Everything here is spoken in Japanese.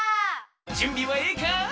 じゅんびはええか？